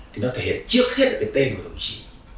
thì nó thể hiện trước hết cái tên của đồng chí